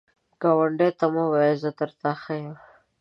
ګاونډي ته مه وایه “زه تر تا ښه یم”